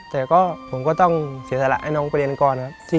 แต่ก็ผมก็ต้องเสียสละให้น้องไปเรียนก่อนครับ